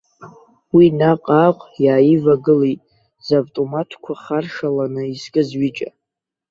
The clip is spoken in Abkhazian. Уи наҟ-ааҟ иааивагылеит завтоматқәа харшаланы изкыз ҩыџьа.